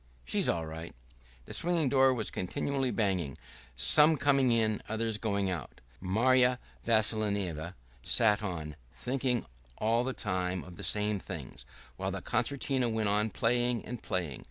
"She's all right!" The swing door was continually banging, some coming in, others going out. Marya Vassilyevna sat on, thinking all the time of the same things, while the concertina went on playing and playing.